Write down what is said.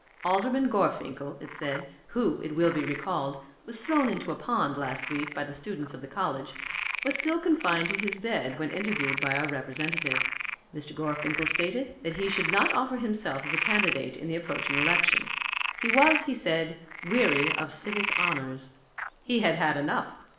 "Alderman Gorfinkel," it said, "who, it will be recalled, was thrown into a pond last week by the students of the college, was still confined to his bed when interviewed by our representative. Mr. Gorfinkel stated that he should not offer himself as a candidate in the approaching election. He was, he said, weary of civic honours. He had had enough.